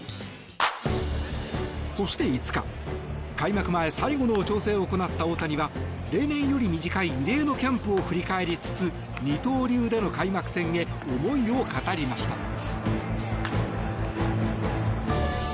そして、５日開幕前最後の調整を行った大谷は例年より短い異例のキャンプを振り返りつつ二刀流での開幕戦へ思いを語りました。